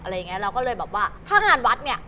เราก็เลยแบบว่าถ้างานวัดเนี่ย